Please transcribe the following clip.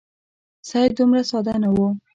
سید دومره ساده نه وو.